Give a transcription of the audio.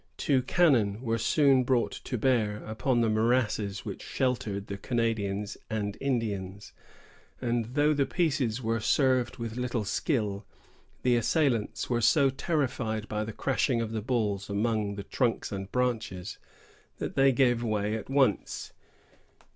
Two cannon were soon brought to bear upon the morasses which sheltered the Canadians and Indians; and though the pieces were served with little skill, the assailants were so terrified by the crashing of the balls among the trunks and branches, that they gave way at once.